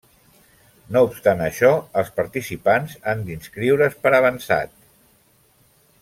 No obstant això, els participants han d'inscriure's per avançat.